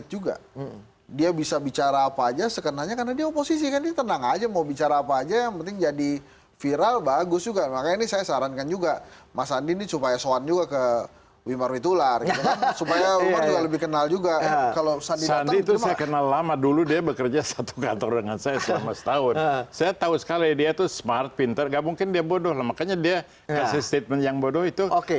jokowi dan sandi